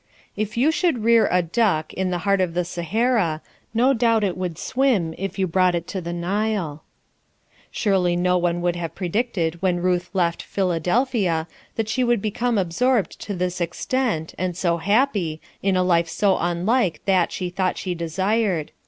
If you should rear a duck in the heart of the Sahara, no doubt it would swim if you brought it to the Nile. Surely no one would have predicted when Ruth left Philadelphia that she would become absorbed to this extent, and so happy, in a life so unlike that she thought she desired.